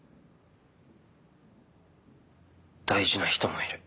大事な人もいる。